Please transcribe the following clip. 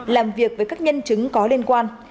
làm việc với các nhân chứng có liên quan